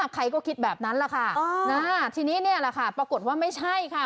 ใครก็คิดแบบนั้นแหละค่ะทีนี้เนี่ยแหละค่ะปรากฏว่าไม่ใช่ค่ะ